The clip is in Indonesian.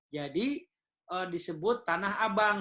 jadi disebut tanah abang